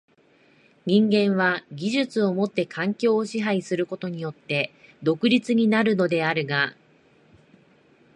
人間は技術をもって環境を支配することによって独立になるのであるが、